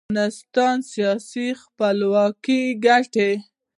د افغانستان سیاسي خپلواکۍ ګټل.